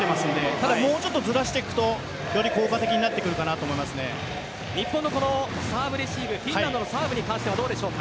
ただ、少しずらしていくとより効果的になってくるかなと日本のサーブレシーブフィンランドのサーブに関してはどうでしょうか？